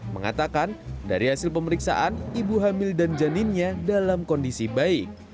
mengatakan dari hasil pemeriksaan ibu hamil dan janinnya dalam kondisi baik